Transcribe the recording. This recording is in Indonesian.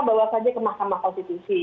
bawa saja ke mahkamah konstitusi